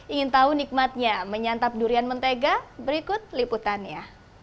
ingin tahu nikmatnya menyantap durian mentega berikut liputannya